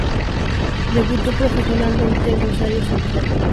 Debutó profesionalmente en Rosario Central, donde fue campeón de Primera División.